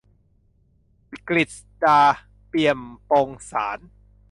กฤษฎา เปี่ยมพงศ์สานต์